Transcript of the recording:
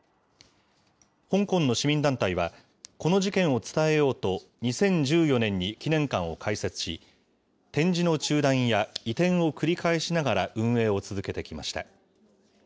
香港の市民団体は、この事件を伝えようと、２０１４年に記念館を開設し、展示の中断や移転を繰り返しながら運営を続けてきました。